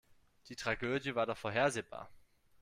Die Tragödie war doch vorhersehbar.